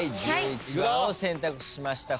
１１番を選択しました。